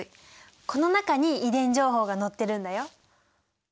この中に遺伝情報がのってるんだよ。